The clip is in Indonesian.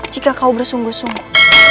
jika kau bersungguh sungguh